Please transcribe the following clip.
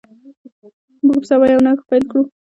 موږ به سبا یو نوښت پیل کړو.